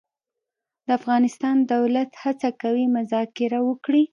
د افغانستان دولت هڅه کوي مذاکره وکړي.